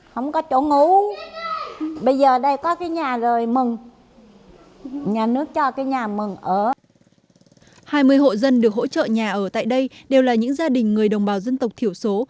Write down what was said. hai mươi hộ dân được hỗ trợ nhà ở tại đây đều là những gia đình người đồng bào dân tộc thiểu số